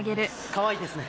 かわいいですね。